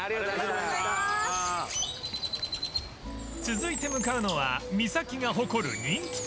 ［続いて向かうのは三崎が誇る人気店］